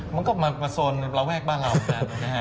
มันก็มาประสงค์ระแวกบ้านเรานะฮะ